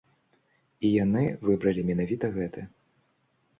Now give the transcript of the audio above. І яны выбралі менавіта гэты.